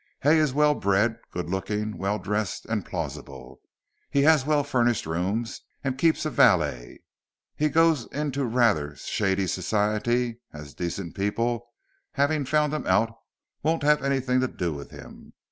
Hay is well bred, good looking, well dressed and plausible. He has well furnished rooms and keeps a valet. He goes into rather shady society, as decent people, having found him out, won't have anything to do with him.